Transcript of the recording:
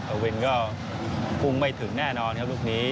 อ่ะวินก็คุ้มไม่ถึงแน่นอนครับลุกนี้